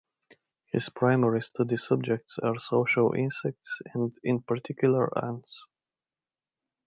His primary study subjects are social insects and in particular ants.